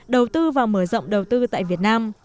đầu tư và mở rộng đầu tư tại việt nam